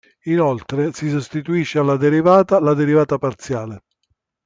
Inoltre, si sostituisce alla derivata la derivata parziale.